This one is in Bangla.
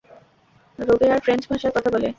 রোবেয়ার ফ্রেঞ্চ ভাষায় কথা বলে।